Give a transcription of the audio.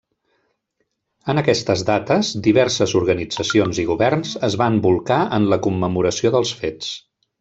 En aquestes dates, diverses organitzacions i governs es van bolcar en la commemoració dels fets.